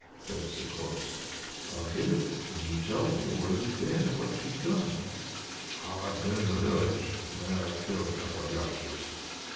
begs the corpse. "I'll give it when you tell me where you've been and what you've done." "Well, I've been in the village, and there I've killed a couple of youngsters."